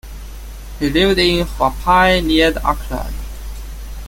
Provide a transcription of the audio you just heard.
He lived in Huapai near Auckland.